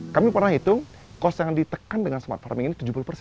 kami pernah hitung kos yang ditekan dengan smart farming ini tujuh puluh